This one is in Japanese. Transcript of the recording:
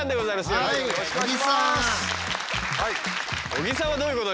よろしくお願いします。